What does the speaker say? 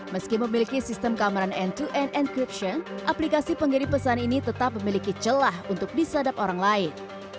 meski memiliki sistem kamaran n dua n encryption aplikasi penggiri pesan ini tetap memiliki celah untuk disadap orang lain